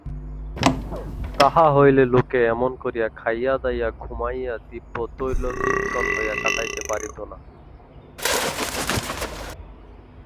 তাহা হইলে লোকে এমন করিয়া খাইয়া-দাইয়া ঘুমাইয়া দিব্য তৈলচিক্কণ হইয়া কাটাইতে পারিত না।